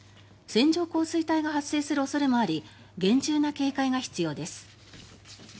線状降水帯が発生する恐れもあり厳重な警戒が必要です。